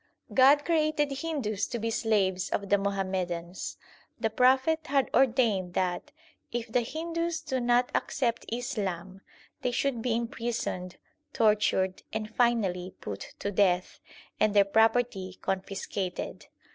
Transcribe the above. God created Hindus to be slaves of the Muhammadans. The Prophet hath ordained that, if the Hindus do not accept Islam, they should be imprisoned, tortured, and finally put to death, and their property confiscated.